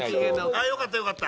あっよかったよかった。